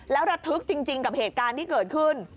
แล้วระทึกจริงกับเหตุการณ์ที่เกิดขึ้น